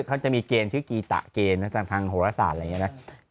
เขาจะมีเกณฑ์ชื่อกีตะเกณฑ์ทางโหรศาสตร์อะไรอย่างนี้นะ